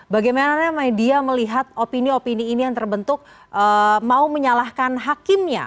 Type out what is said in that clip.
bagaimana media melihat opini opini ini yang terbentuk mau menyalahkan hakimnya